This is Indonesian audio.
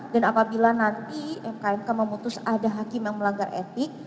dan apabila nanti mkmk memutus ada hakim yang melanggar etik